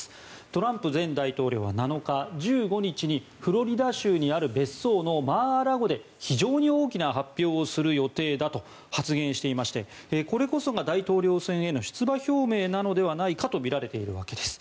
トランプ前大統領は７日１５日にフロリダ州にある別荘のマー・ア・ラゴで非常に大きな発表をする予定だと発言していましてこれこそが大統領選への出馬表明なのではないかとみられているわけです。